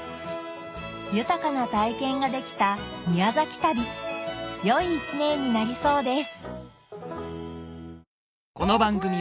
豊かな体験ができた宮崎旅良い一年になりそうです